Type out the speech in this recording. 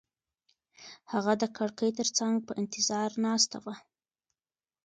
هغه د کړکۍ تر څنګ په انتظار ناسته وه.